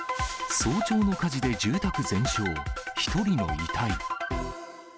早朝の火事で住宅全焼、１人の遺体。